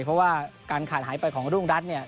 เพราะว่าการขาดหายไปของรุ่งรัฐเนี่ย